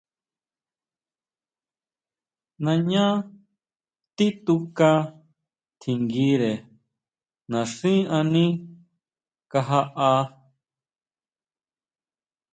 Nañá tituka tjinguire naxín aní kajaʼá.